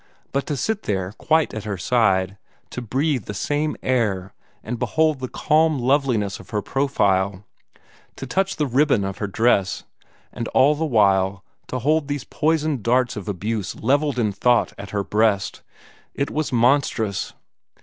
But to sit there, quite at her side; to breathe the same air, and behold the calm loveliness of her profile; to touch the ribbon of her dress and all the while to hold these poisoned darts of abuse levelled in thought at her breast it was monstrous.